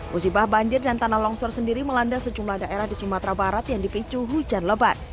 musibah banjir dan tanah longsor sendiri melanda sejumlah daerah di sumatera barat yang dipicu hujan lebat